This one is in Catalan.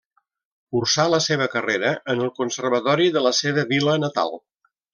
Cursà la seva carrera en el Conservatori de la seva vila natal.